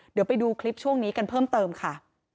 เดี๋ยวไปดูคลิปช่วงนี้กันเพิ่มเติมค่ะ